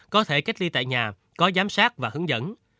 có thể cách ly tại nhà có giám sát và hướng dẫn